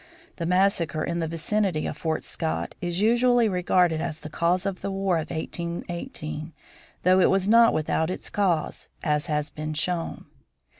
The massacre in the vicinity of Fort Scott is usually regarded as the cause of the war of 1818, though it was not without its cause, as has been shown.